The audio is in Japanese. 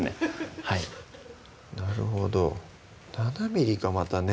なるほど７ｍｍがまたね